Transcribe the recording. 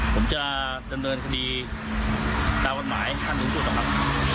ผมจะดำเนินคดีตามวันหมายทางหนึ่งสุดนะครับ